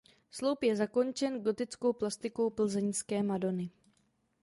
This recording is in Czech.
Sloup je zakončen gotickou plastikou plzeňské Madony.